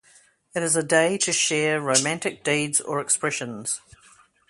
It is a day to share romantic deeds or expressions.